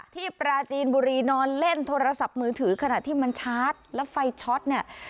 ปราจีนบุรีนอนเล่นโทรศัพท์มือถือขณะที่มันชาร์จแล้วไฟช็อตเนี่ย